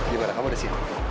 gimana kamu udah siap